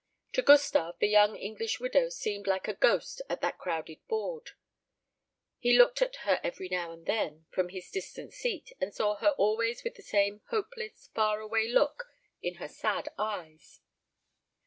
To Gustave the young English widow seemed like a ghost at that crowded board. He looked at her every now and then from his distant seat, and saw her always with the same hopeless far away look in her sad eyes.